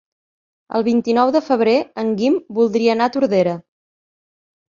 El vint-i-nou de febrer en Guim voldria anar a Tordera.